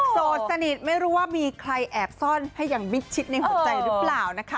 โสดสนิทไม่รู้ว่ามีใครแอบซ่อนให้อย่างมิดชิดในหัวใจหรือเปล่านะคะ